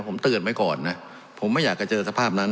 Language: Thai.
ผมเตือนไว้ก่อนนะผมไม่อยากจะเจอสภาพนั้น